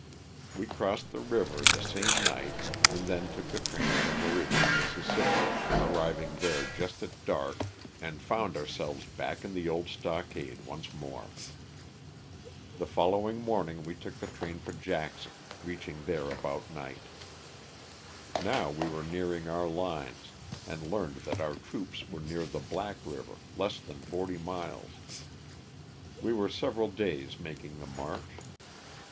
We crossed the river the same night and then took the train for Meridian, Miss., arriving there just at dark and found ourselves back in the old stockade once more. The following LOSS OF THE SULTANA. 325 morning we took the train for Jackson, reaching there about night. Now we were nearing our lines and learned that our troops were near the Black river— less than forty miles. We were several days making the march.